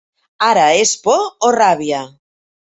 Ara és por o ràbia?